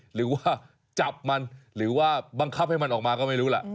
หรือว่าจับมันหรือว่าบังคับให้มันออกมาก็ไม่รู้ล่ะ